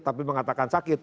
tapi mengatakan sakit